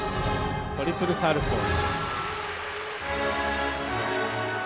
トリプルサルコウ。